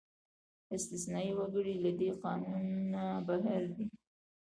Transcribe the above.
استثنايي وګړي له دې قانونه بهر دي.